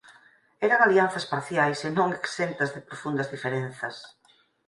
Eran alianzas parciais e non exentas de profundas diferenzas.